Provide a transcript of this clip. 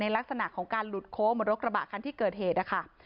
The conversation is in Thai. ในลักษณะของการหลุดโค้งบนรถกระบะกันที่เกิดเหตุค่ะ